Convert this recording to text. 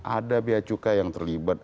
ada beacuka yang terlibat